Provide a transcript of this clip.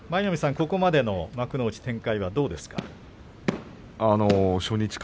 ここまでの展開どうですか。